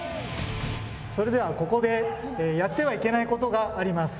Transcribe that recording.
それではここでやってはいけないことがあります。